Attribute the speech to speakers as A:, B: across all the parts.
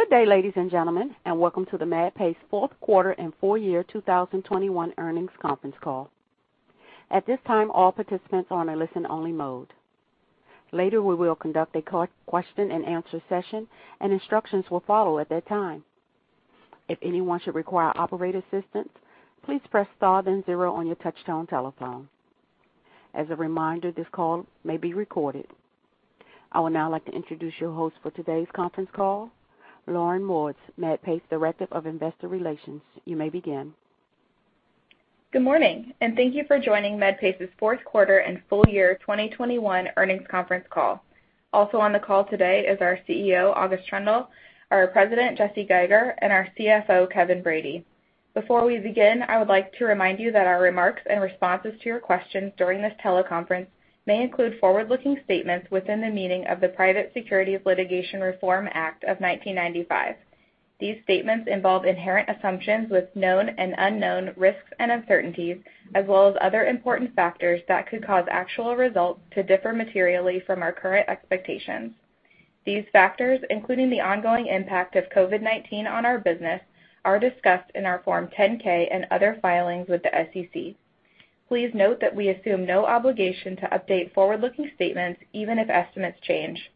A: Good day, ladies and gentlemen, and welcome to the Medpace Q4 and Full Year 2021 Earnings Conference Call. At this time, all participants are in a listen-only mode. Later, we will conduct a question and answer session, and instructions will follow at that time. If anyone should require operator assistance, please press star then zero on your touchtone telephone. As a reminder, this call may be recorded. I would now like to introduce your host for today's conference call, Lauren Morris, Medpace Director of Investor Relations. You may begin.
B: Good morning, and thank you for joining Medpace Q4 and Full Year 2021 Earnings Conference Call. Also on the call today is our CEO, August Troendle, our President, Jesse Geiger, and our CFO, Kevin Brady. Before we begin, I would like to remind you that our remarks and responses to your questions during this teleconference may include forward-looking statements within the meaning of the Private Securities Litigation Reform Act of 1995. These statements involve inherent assumptions with known and unknown risks and uncertainties, as well as other important factors that could cause actual results to differ materially from our current expectations. These factors, including the ongoing impact of COVID-19 on our business, are discussed in our Form 10-K and other filings with the SEC. Please note that we assume no obligation to update forward-looking statements, even if estimates change.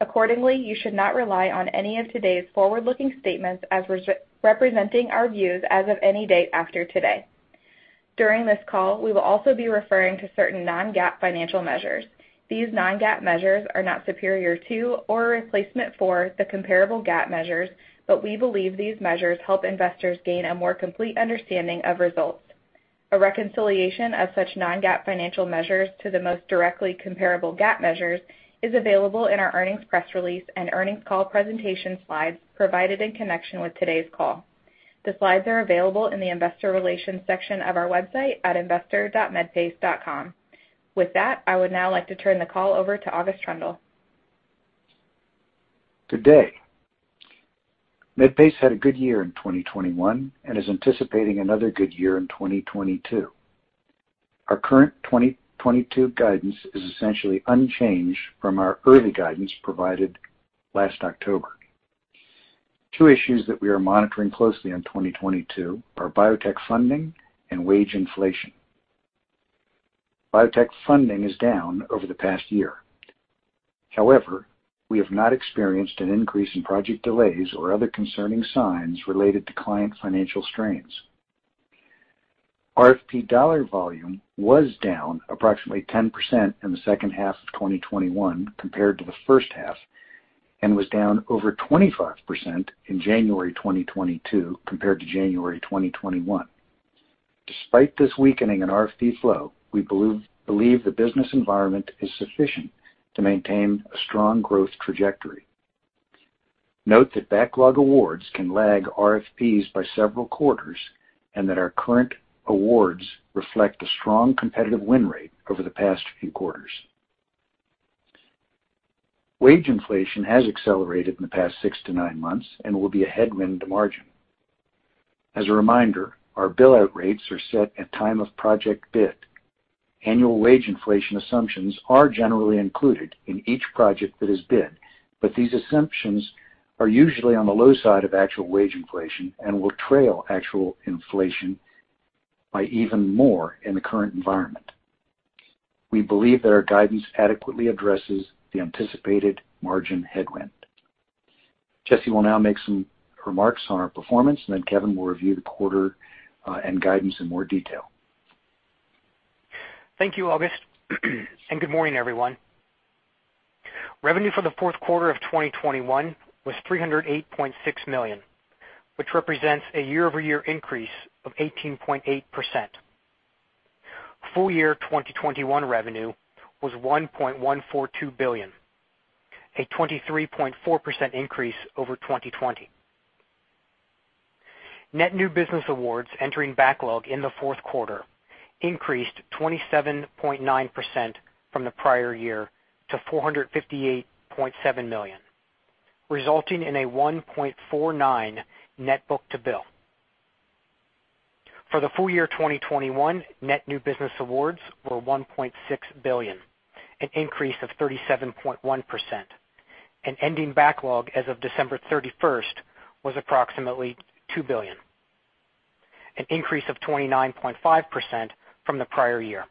B: Accordingly, you should not rely on any of today's forward-looking statements as representing our views as of any date after today. During this call, we will also be referring to certain non-GAAP financial measures. These non-GAAP measures are not superior to or replacement for the comparable GAAP measures, but we believe these measures help investors gain a more complete understanding of results. A reconciliation of such non-GAAP financial measures to the most directly comparable GAAP measures is available in our earnings press release and earnings call presentation slides provided in connection with today's call. The slides are available in the Investor Relations section of our website at investor.medpace.com. With that, I would now like to turn the call over to August Troendle.
C: Good day. Medpace had a good year in 2021 and is anticipating another good year in 2022. Our current 2022 guidance is essentially unchanged from our early guidance provided last October. Two issues that we are monitoring closely in 2022 are biotech funding and wage inflation. Biotech funding is down over the past year. However, we have not experienced an increase in project delays or other concerning signs related to client financial strains. RFP dollar volume was down approximately 10% in the second half of 2021 compared to the first half and was down over 25% in January 2022 compared to January 2021. Despite this weakening in RFP flow, we believe the business environment is sufficient to maintain a strong growth trajectory. Note that backlog awards can lag RFPs by several quarters and that our current awards reflect a strong competitive win rate over the past few quarters. Wage inflation has accelerated in the past six-nine months and will be a headwind to margin. As a reminder, our bill-out rates are set at time of project bid. Annual wage inflation assumptions are generally included in each project that is bid, but these assumptions are usually on the low side of actual wage inflation and will trail actual inflation by even more in the current environment. We believe that our guidance adequately addresses the anticipated margin headwind. Jesse will now make some remarks on our performance, and then Kevin will review the quarter and guidance in more detail.
D: Thank you, August. Good morning, everyone. Revenue for the Q4 of 2021 was $308.6 million, which represents a year-over-year increase of 18.8%. Full year 2021 revenue was $1.142 billion, a 23.4% increase over 2020. Net new business awards entering backlog in the Q4 increased 27.9% from the prior year to $458.7 million, resulting in a 1.49 net book-to-bill. For the full year 2021, net new business awards were $1.6 billion, an increase of 37.1%, and ending backlog as of December 31 was approximately $2 billion, an increase of 29.5% from the prior year.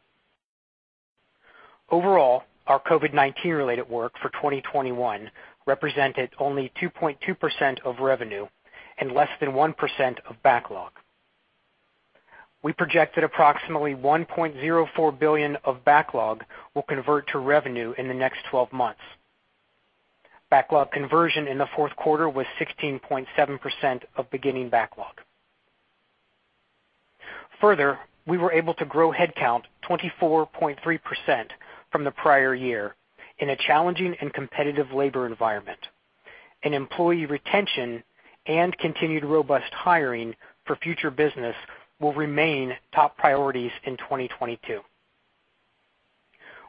D: Overall, our COVID-19 related work for 2021 represented only 2.2% of revenue and less than 1% of backlog. We projected approximately $1.04 billion of backlog will convert to revenue in the next 12 months. Backlog conversion in the Q4 was 16.7% of beginning backlog. Further, we were able to grow headcount 24.3% from the prior year in a challenging and competitive labor environment, and employee retention and continued robust hiring for future business will remain top priorities in 2022.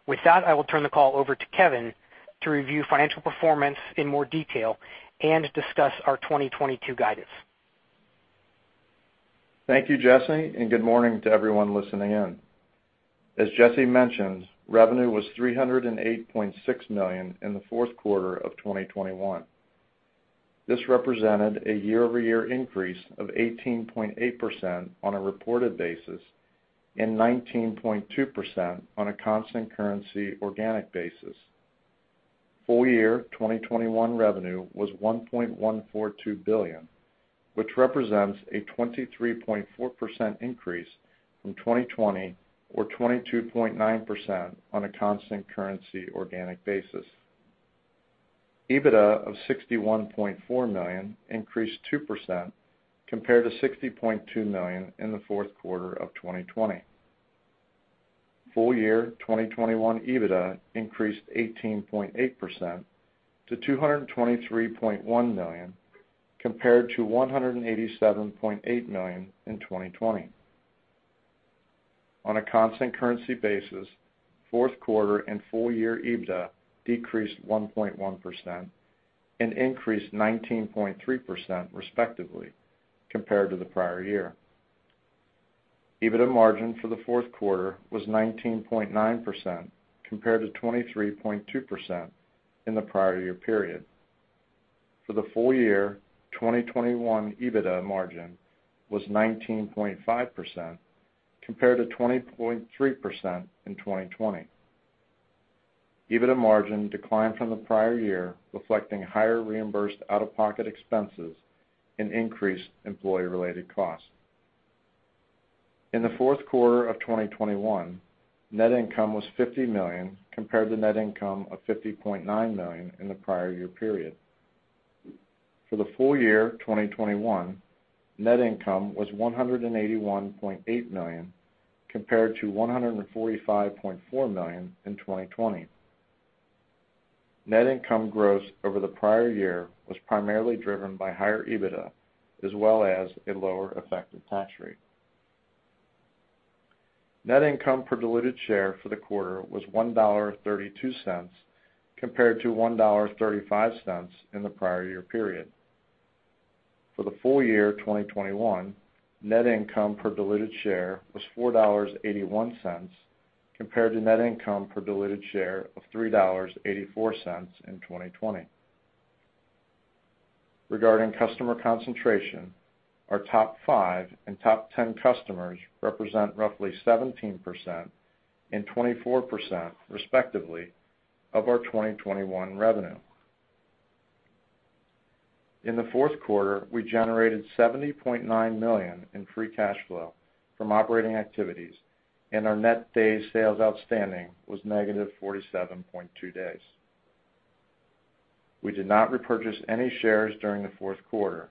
D: With that, I will turn the call over to Kevin to review financial performance in more detail and discuss our 2022 guidance.
E: Thank you, Jesse, and good morning to everyone listening in. As Jesse mentioned, revenue was $308.6 million in the Q4 of 2021. This represented a year-over-year increase of 18.8% on a reported basis and 19.2% on a constant currency organic basis. Full year 2021 revenue was $1.142 billion, which represents a 23.4% increase from 2020 or 22.9% on a constant currency organic basis. EBITDA of $61.4 million increased 2% compared to $60.2 million in the Q4 of 2020. Full year 2021 EBITDA increased 18.8% to $223.1 million compared to $187.8 million in 2020. On a constant currency basis, Q4 and full year EBITDA decreased 1.1% and increased 19.3% respectively compared to the prior year. EBITDA margin for the Q4 was 19.9% compared to 23.2% in the prior year period. For the full year, 2021 EBITDA margin was 19.5% compared to 20.3% in 2020. EBITDA margin declined from the prior year, reflecting higher reimbursed out-of-pocket expenses and increased employee related costs. In the Q4 of 2021, net income was $50 million compared to net income of $50.9 million in the prior year period. For the full year 2021, net income was $181.8 million compared to $145.4 million in 2020. Net income growth over the prior year was primarily driven by higher EBITDA as well as a lower effective tax rate. Net income per diluted share for the quarter was $1.32 compared to $1.35 in the prior year period. For the full year 2021, net income per diluted share was $4.81 compared to net income per diluted share of $3.84 in 2020. Regarding customer concentration, our top five and top 10 customers represent roughly 17% and 24%, respectively, of our 2021 revenue. In the Q4, we generated $70.9 million in free cash flow from operating activities, and our net Days Sales Outstanding was -47.2 days. We did not repurchase any shares during the Q4,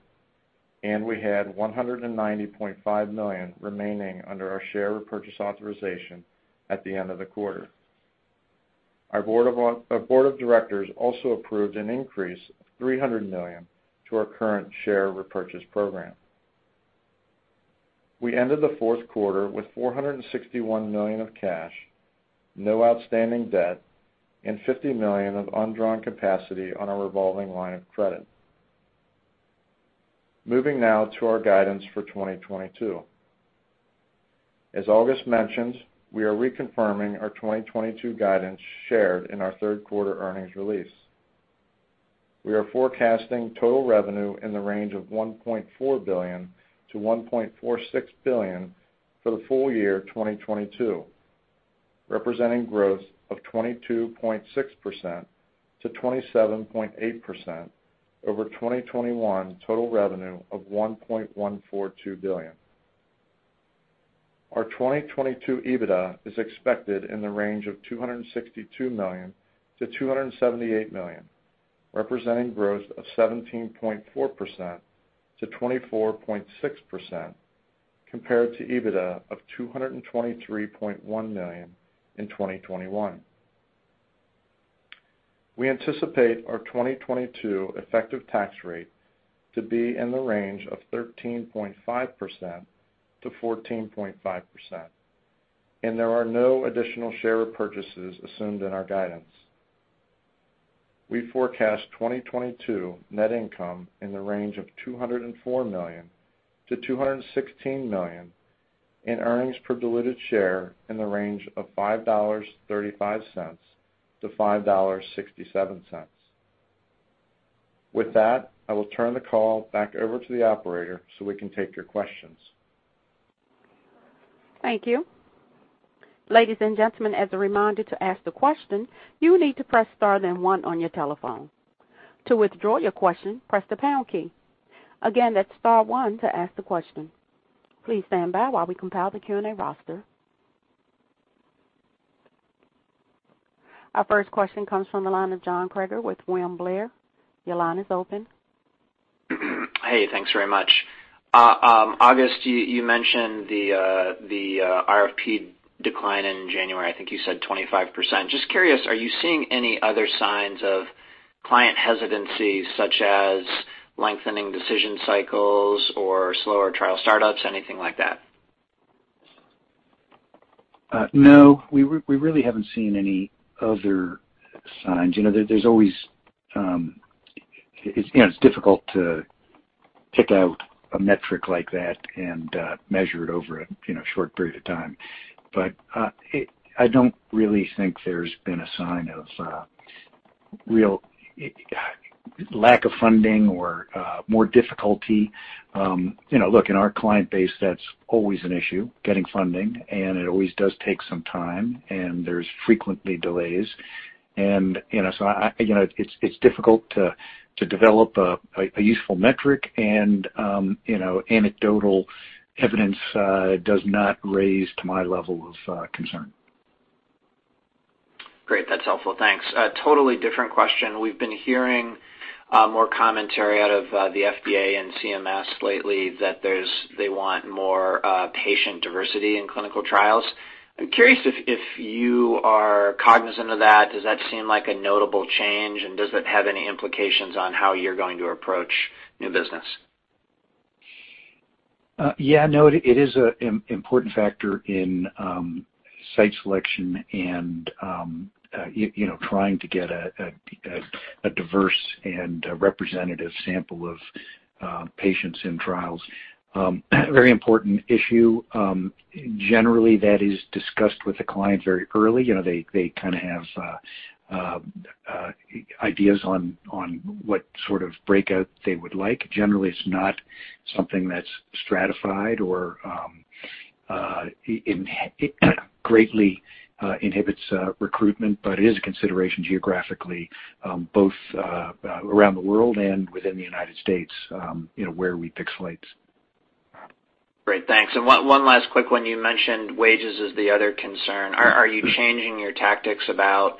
E: and we had $190.5 million remaining under our share repurchase authorization at the end of the quarter. Our board of directors also approved an increase of $300 million to our current share repurchase program. We ended the Q4 with $461 million of cash, no outstanding debt, and $50 million of undrawn capacity on our revolving line of credit. Moving now to our guidance for 2022. As August mentioned, we are reconfirming our 2022 guidance shared in our third quarter earnings release. We are forecasting total revenue in the range of $1.4 billion-$1.46 billion for the full year 2022, representing growth of 22.6%-27.8% over 2021 total revenue of $1.142 billion. Our 2022 EBITDA is expected in the range of $262 million-$278 million, representing growth of 17.4%-24.6% compared to EBITDA of $223.1 million in 2021. We anticipate our 2022 effective tax rate to be in the range of 13.5%-14.5%, and there are no additional share repurchases assumed in our guidance. We forecast 2022 net income in the range of $204 million-$216 million, and earnings per diluted share in the range of $5.35-$5.67. With that, I will turn the call back over to the operator, so we can take your questions.
A: Thank you. Our 1st question comes from the line of John Kreger with William Blair. Your line is open.
F: Hey, thanks very much. August, you mentioned the RFP decline in January. I think you said 25%. Just curious, are you seeing any other signs of client hesitancy such as lengthening decision cycles or slower trial startups, anything like that?
C: No, we really haven't seen any other signs. You know, there's always, you know, it's difficult to pick out a metric like that and measure it over a short period of time. I don't really think there's been a sign of real lack of funding or more difficulty. You know, look, in our client base, that's always an issue, getting funding, and it always does take some time, and there's frequently delays. You know, so I, you know, it's difficult to develop a useful metric and, you know, anecdotal evidence does not rise to my level of concern.
F: Great. That's helpful. Thanks. A totally different question. We've been hearing more commentary out of the FDA and CMS lately that they want more patient diversity in clinical trials. I'm curious if you are cognizant of that, does that seem like a notable change, and does it have any implications on how you're going to approach new business?
C: Yeah, no, it is an important factor in site selection and you know, trying to get a diverse and a representative sample of patients in trials. Very important issue. Generally that is discussed with the client very early. You know, they kind a have ideas on what sort of breakout they would like. Generally, it's not something that's stratified or it greatly inhibits recruitment, but it is a consideration geographically, both around the world and within the United States, you know, where we pick sites.
F: Great. Thanks. One last quick one. You mentioned wages as the other concern. Are you changing your tactics about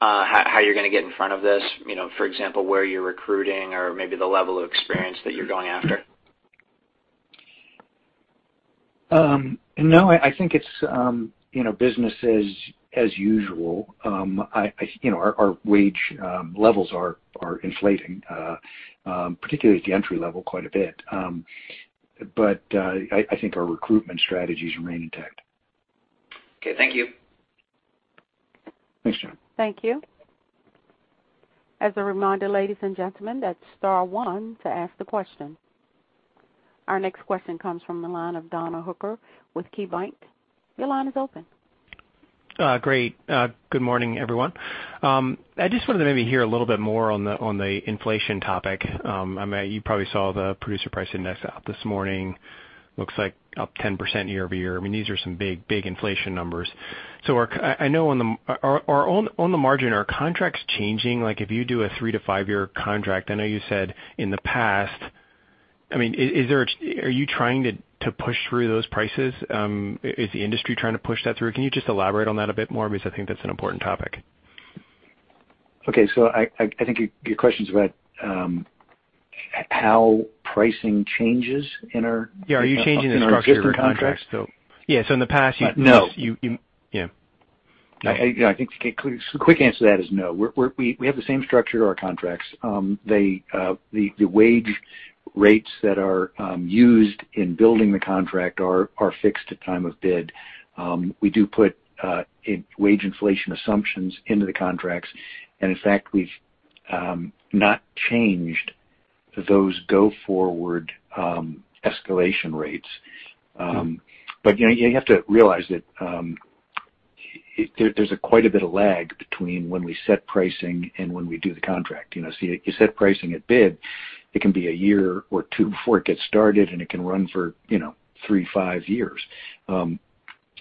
F: how you're gonna get in front of this? You know, for example, where you're recruiting or maybe the level of experience that you're going after?
C: No, I think it's, you know, business as usual. I, you know, our wage levels are inflating, particularly at the entry level quite a bit. I think our recruitment strategies remain intact.
F: Okay, thank you.
C: Thanks, John.
A: Thank you. Our next question comes from the line of Donald Hooker with KeyBanc. Your line is open.
G: Great. Good morning, everyone. I just wanted to maybe hear a little bit more on the inflation topic. I mean, you probably saw the Producer Price Index out this morning. Looks like up 10% year-over-year. I mean, these are some big, big inflation numbers. I know on the margin, are contracts changing? Like, if you do a three to five-year contract, I know you said in the past. I mean, are you trying to push through those prices? Is the industry trying to push that through? Can you just elaborate on that a bit more? Because I think that's an important topic.
C: I think your question's about how pricing changes in our-
G: Yeah. Are you changing the structure of your contracts to?
C: in our existing contracts?
G: Yeah. In the past,
C: No.
G: You. Yeah.
C: Yeah, I think the quick answer to that is no. We have the same structure to our contracts. The wage rates that are used in building the contract are fixed at time of bid. We do put in wage inflation assumptions into the contracts, and in fact, we've not changed those go forward escalation rates. You know, you have to realize that there's quite a bit of lag between when we set pricing and when we do the contract. You know, you set pricing at bid. It can be a year or two before it gets started, and it can run for, you know, three to five years.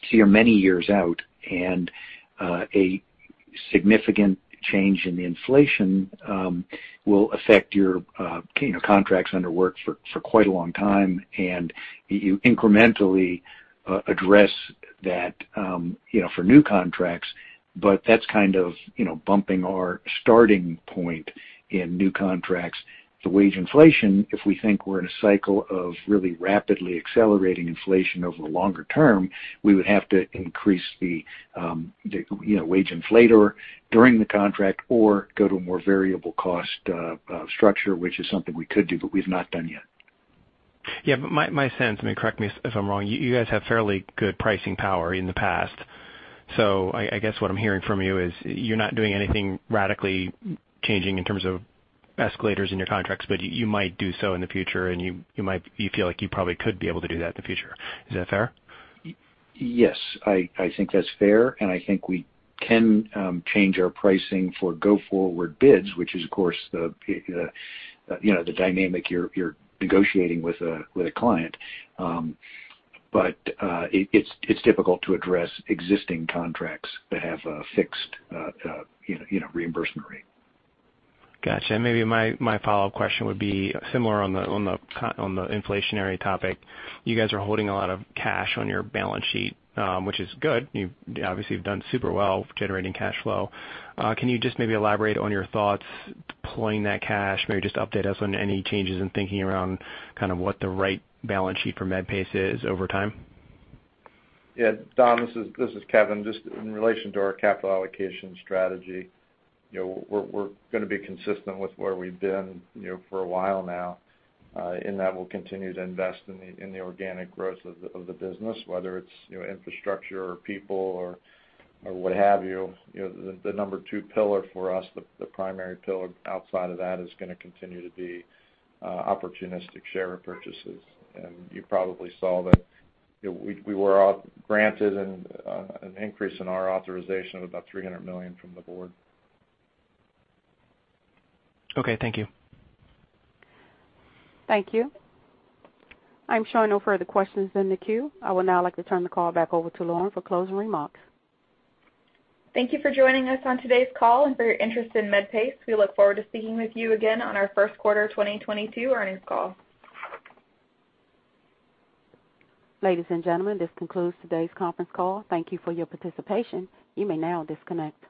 C: You're many years out and a significant change in the inflation will affect your you know contracts under work for quite a long time, and you incrementally address that you know for new contracts, but that's kind of you know bumping our starting point in new contracts. The wage inflation, if we think we're in a cycle of really rapidly accelerating inflation over the longer term, we would have to increase the you know wage inflator during the contract or go to a more variable cost structure, which is something we could do, but we've not done yet.
G: Yeah. My sense, I mean, correct me if I'm wrong, you guys have fairly good pricing power in the past. I guess what I'm hearing from you is you're not doing anything radically changing in terms of escalators in your contracts, but you might do so in the future, and you feel like you probably could be able to do that in the future. Is that fair?
C: Yes. I think that's fair, and I think we can change our pricing for go forward bids, which is of course the you know the dynamic you're negotiating with a client. It's difficult to address existing contracts that have a fixed you know reimbursement rate.
G: Gotcha. Maybe my follow-up question would be similar on the inflationary topic. You guys are holding a lot of cash on your balance sheet, which is good. You obviously have done super well generating cash flow. Can you just maybe elaborate on your thoughts deploying that cash? Maybe just update us on any changes in thinking around kind of what the right balance sheet for Medpace is over time.
E: Yeah. Don, this is Kevin. Just in relation to our capital allocation strategy, you know, we're gonna be consistent with where we've been, you know, for a while now, in that we'll continue to invest in the organic growth of the business, whether it's, you know, infrastructure or people or what have you. You know, the number two pillar for us, the primary pillar outside of that is gonna continue to be opportunistic share repurchases. You probably saw that, you know, we were granted an increase in our authorization of about $300 million from the board.
G: Okay. Thank you.
A: Thank you. I'm showing no further questions in the queue. I would now like to turn the call back over to Lauren for closing remarks.
B: Thank you for joining us on today's call and for your interest in Medpace. We look forward to speaking with you again on our Q1 2022 earnings call.
A: Ladies and gentlemen, this concludes today's conference call. Thank you for your participation. You may now disconnect.